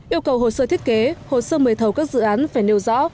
yêu cầu hồ sơ thiết kế hồ sơ mời thầu các dự án phải nêu rõ